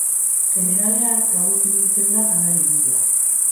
Jeneralean, gauez ibiltzen da janari bila.